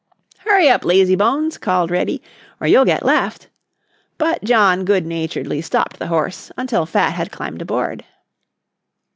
"Hurry up, lazy bones," called Reddy, "or you'll get left," but John good naturedly stopped the horse until Fat had climbed aboard.